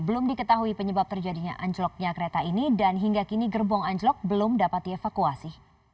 belum diketahui penyebab terjadinya anjloknya kereta ini dan hingga kini gerbong anjlok belum dapat dievakuasi